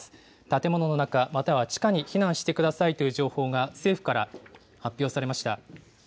建物の中、または地下に避難してくださいという情報が政府から発表されました。